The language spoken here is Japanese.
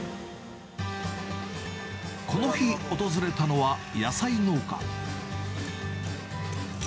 この日、訪れたのは野菜農家。